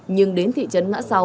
nhưng đến thị trấn ngã sáu